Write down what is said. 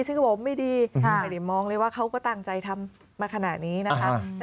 ฉันก็บอกว่าไม่ดีไม่ได้มองเลยว่าเขาก็ตั้งใจทำมาขนาดนี้นะคะ